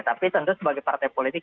tapi tentu sebagai partai politik